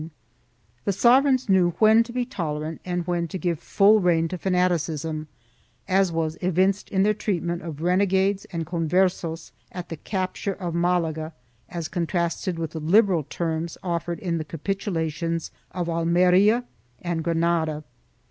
1 The sovereigns knew when to be tolerant and when to give full rein to fanaticism, as was evinced in their treatment of renegades and Converses at the capture of Malaga as contrasted with the liberal terms offered in the capitulations of Almeria and Granada.